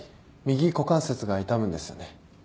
右股関節が痛むんですよね？